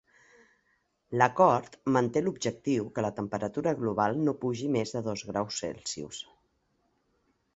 L'acord manté l'objectiu que la temperatura global no pugi més de dos graus Celsius.